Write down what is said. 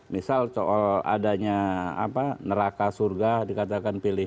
misal soal adanya neraka surga dikatakan pilih